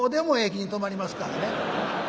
駅に止まりますからね。